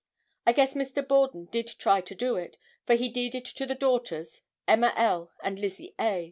I guess Mr. Borden did try to do it, for he deeded to the daughters, Emma L. and Lizzie A.